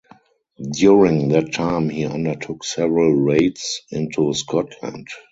During that time he undertook several raids into Scotland.